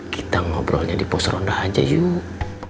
kita ngobrolnya di pos ronda aja yuk